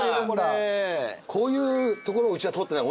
こういうところをうちは通ってない。